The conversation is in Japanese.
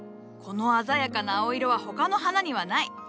この鮮やかな青色は他の花にはない。